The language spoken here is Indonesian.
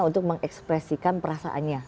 untuk mengekspresikan perasaannya